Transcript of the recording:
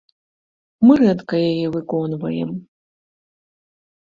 Мы рэдка яе выконваем.